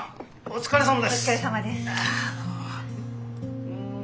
お疲れさまです。